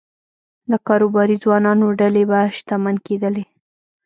د کاروباري ځوانانو ډلې به شتمن کېدلې